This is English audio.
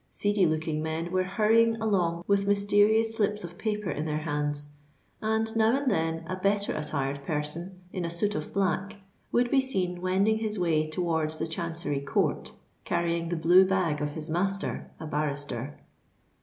Seedy looking men were hurrying along with mysterious slips of paper in their hands; and now and then a better attired person, in a suit of black, would be seen wending his way towards the Chancery Court, carrying the blue bag of his master, a barrister.